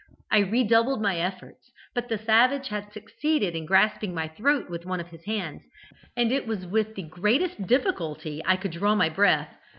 I redoubled my efforts, but the savage had succeeded in grasping my throat with one of his hands, and it was with the greatest difficulty I could draw my breath.